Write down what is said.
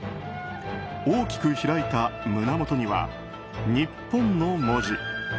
大きく開いた胸元には「日本」の文字。